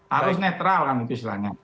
harus netral kan mungkin selangnya